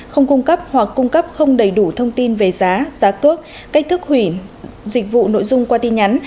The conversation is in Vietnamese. không cung cấp hoặc cung cấp không đầy đủ thông tin về giá giá cước cách thức hủy dịch vụ nội dung qua tin nhắn